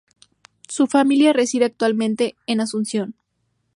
Su familia reside actualmente en Asunción.